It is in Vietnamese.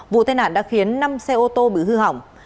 vụ tai nạn đã khiến năm xe ô tô bị hư hỏng